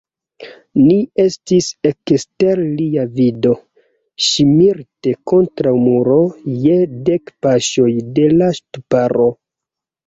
Ni estis ekster lia vido, ŝirmite kontraŭ muro, je dek paŝoj de la ŝtuparo.